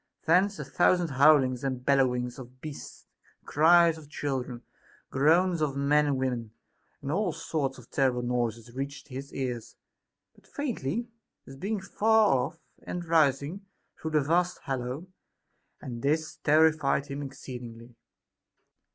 Thence a thousand howlings and bellowings of beasts, cries of chil dren, groans of men and women, and all sorts of terrible noises reached his ears ; but faintly, as being far off and rising through the vast hollow ; and this terrified him ex ceedingly.